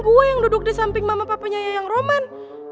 gue yang duduk di samping mama papa nyayang roman